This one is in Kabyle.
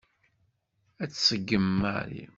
Ad t-tṣeggem Mary.